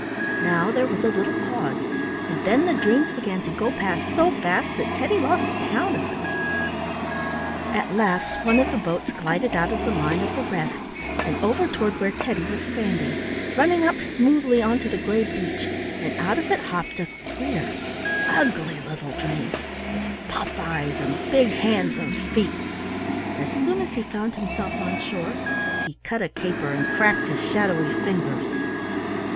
Now there was a little pause, and then the dreams began to go past so fast that Teddy lost count of them. At last one of the boats gilded out of the line of the rest, and over toward where Teddy was standing, running up smoothly onto the gray beach, and out of it hopped a queer, ugly little dream, with pop eyes and big hands and feet. As soon as he found himself on shore he cut a caper and cracked his shadowy fingers.